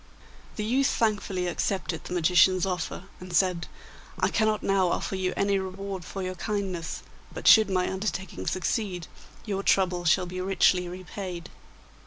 The youth thankfully accepted the magician's offer, and said, 'I cannot now offer you any reward for your kindness, but should my undertaking succeed your trouble shall be richly repaid.